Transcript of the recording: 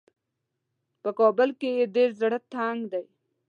په کابل کې یې ډېر زړه تنګ دی.